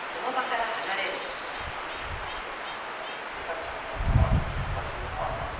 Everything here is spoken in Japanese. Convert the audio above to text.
賢作さんと宮原さんって昔何かあったの？